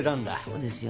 そうですよ。